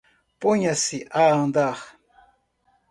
Ponham-se a andar